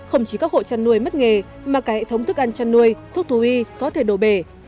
không chỉ các hộ chăn nuôi mất nghề mà cả hệ thống thức ăn chăn nuôi thuốc thú y có thể đổ bể